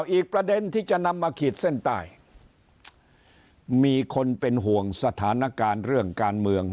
อีกประเด็นที่จะนำมาขีดเส้นใต้มีคนเป็นห่วงสถานการณ์เรื่องการเมือง